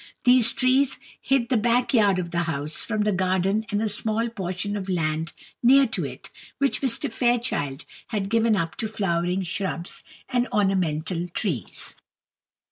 These trees hid the back yard of the house from the garden and small portion of land near to it, which Mr. Fairchild had given up to flowering shrubs and ornamental trees.